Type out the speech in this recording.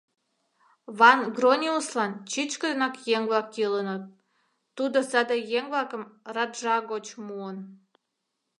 Ван-Грониуслан чӱчкыдынак еҥ-влак кӱлыныт, тудо саде еҥ-влакым раджа гоч муын.